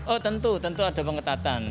oh tentu tentu ada pengetatan